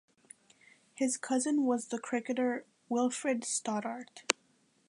His cousin was the cricketer Wilfred Stoddart.